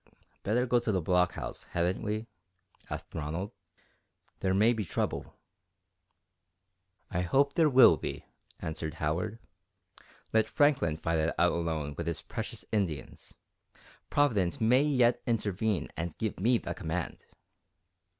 "Better go to the blockhouse, hadn't we?" asked Ronald. "There may be trouble." "I hope there will be," answered Howard. "Let Franklin fight it out alone with his precious Indians. Providence may yet intervene and give me the command."